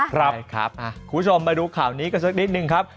ครับคุณผู้ชมมาดูข่าวนี้กันสักนิดนึงครับ